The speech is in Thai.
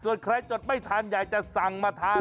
ส่วนใครจดไม่ทันอยากจะสั่งมาทาน